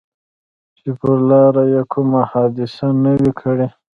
چې پر لاره یې کومه حادثه نه وي کړې.